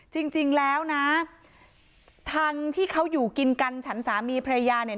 จริงแล้วนะทางที่เขาอยู่กินกันฉันสามีภรรยาเนี่ย